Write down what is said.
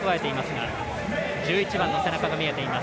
１１番の背中が見えています